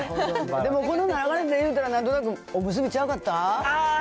でもこの流れで言うたら、なんとなくおむすびちゃうかった？